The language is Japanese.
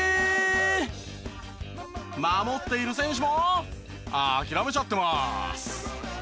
守っている選手も諦めちゃってます。